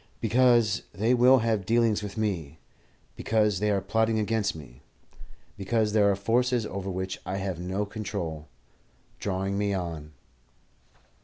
"Because they will have dealings with me; because they are plotting against me; because there are forces, over which I have no control, drawing me on."